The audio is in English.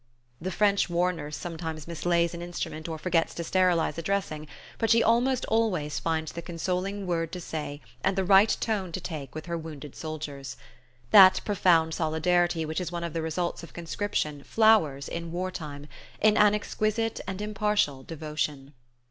The French war nurse sometimes mislays an instrument or forgets to sterilize a dressing; but she almost always finds the consoling word to say and the right tone to take with her wounded soldiers. That profound solidarity which is one of the results of conscription flowers, in war time, in an exquisite and impartial devotion.